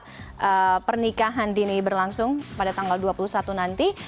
yang pertama adalah pernikahan dini berlangsung pada tanggal dua puluh satu nanti